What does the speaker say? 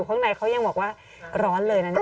กล้องกว้างอย่างเดียว